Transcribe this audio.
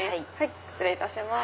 失礼いたします。